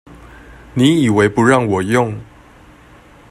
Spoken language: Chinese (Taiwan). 你以為不讓我用